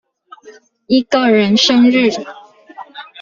一個人生日